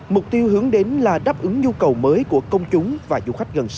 mục tiêu hướng đến là đáp ứng nhu cầu mới của công chúng và du khách gần xa